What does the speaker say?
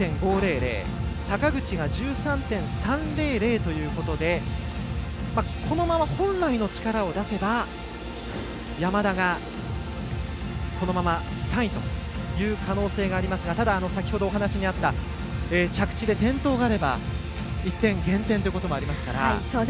坂口が１３．３００ということでこのまま本来の力を出せば山田が、このまま３位という可能性がありますがただ、先ほどお話にあった着地で転倒があれば１点減点ということもありますから。